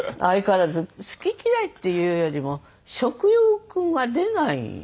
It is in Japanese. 相変わらず好き嫌いっていうよりも食欲が出ない。